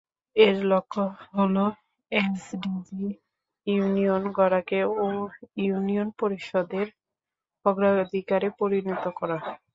এর লক্ষ্য হলো এসডিজি ইউনিয়ন গড়াকে ইউনিয়ন পরিষদের অগ্রাধিকারে পরিণত করা।